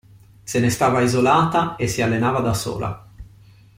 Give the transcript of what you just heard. Se ne stava isolata e si allenava da sola.